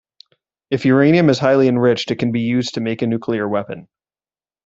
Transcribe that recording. If uranium is highly enriched, it can be used to make a nuclear weapon.